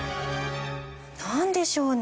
なんでしょうね？